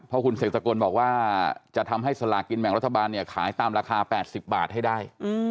เพราะคุณเสกสกลบอกว่าจะทำให้สลากินแบ่งรัฐบาลเนี่ยขายตามราคา๘๐บาทให้ได้